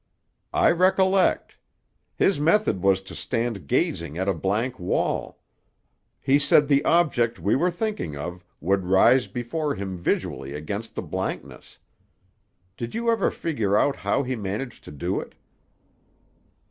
"I recollect. His method was to stand gazing at a blank wall. He said the object we were thinking of would rise before him visually against the blankness. Did you ever figure out how he managed to do it?"